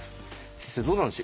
先生どうなんでしょう。